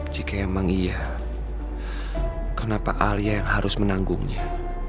jika emang iya kenapa alia yang harus menanggungnya